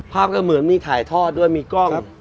ก็เหมือนมีถ่ายทอดด้วยมีกล้อง